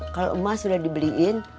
kalau emas sudah dibeliin